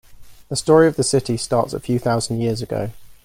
The story of the city starts a few thousand years ago.